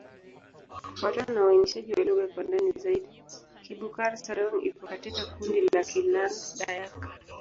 Kufuatana na uainishaji wa lugha kwa ndani zaidi, Kibukar-Sadong iko katika kundi la Kiland-Dayak.